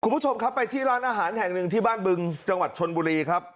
คุณผู้ชมครับไปที่ร้านอาหารแห่งหนึ่งที่บ้านบึงจังหวัดชนบุรีครับ